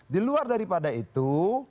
diluar daripada itu